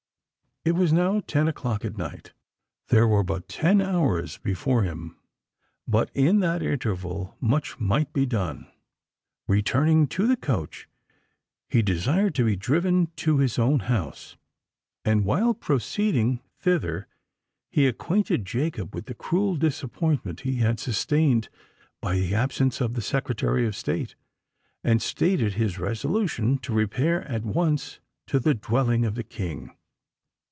It was now ten o'clock at night: there were but ten hours before him—but in that interval much might be done. Returning to the coach, he desired to be driven to his own house; and, while proceeding thither, he acquainted Jacob with the cruel disappointment he had sustained by the absence of the Secretary of State, and stated his resolution to repair at once to the dwelling of the King.